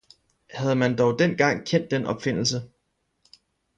Havde man dog dengang kendt den opfindelse!